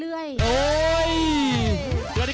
เฮยกตำบล